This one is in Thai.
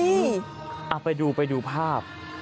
เอาไปดูไปดูภาพ